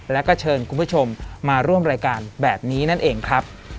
แล้วก็เชิญคุณผู้ชมมาร่วมรายการแบบนี้นั่นเองครับ